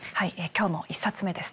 今日の１冊目ですね。